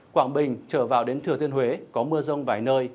quảng bình trở vào đến thừa thiên huế có mưa rông vài nơi